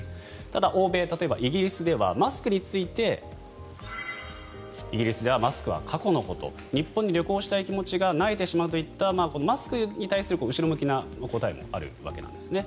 ただ欧米、例えば、イギリスではマスクについてイギリスではマスクは過去のこと日本に旅行したい気持ちがなえてしまうとマスクに対する後ろ向きな答えもあるわけなんですね。